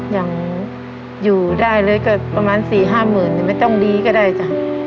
อย่างอยู่ได้เลยกันประมาณสี่ห้าหมื่นนิดไม่ต้องหรีก็ได้จ้ะ